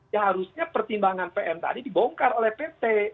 ya harusnya pertimbangan pn tadi dibongkar oleh pt